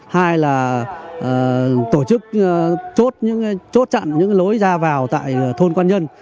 hai là tổ chức chốt chặn những lối ra vào tại thôn quan nhân